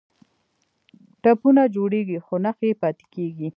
ټپونه جوړیږي خو نښې یې پاتې کیږي.